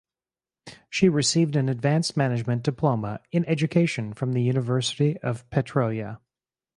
She received an advanced management diploma in education from the University of Pretoria.